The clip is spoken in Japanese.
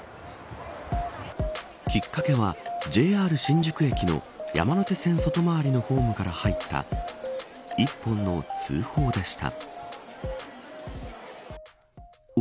きっかけはＪＲ新宿駅の山手線外回りのホームから入った一本の通報でした。